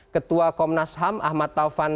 ketua komnas ham ahmad taufan